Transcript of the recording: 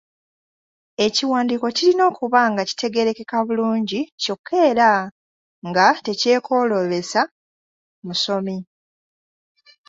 Ekiwandiiko kirina okuba nga kitegeerekeka bulungi kyokka era nga tekyekooloobesa musomi.